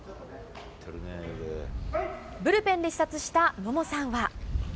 ブルペンで視察した野茂さんは。